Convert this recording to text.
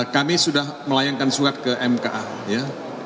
kami sudah melayangkan surat ke mka ya